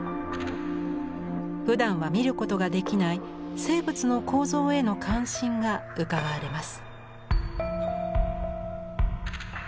ふだんは見ることができない生物の構造への関心がうかがわれます。